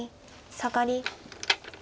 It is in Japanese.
サガリ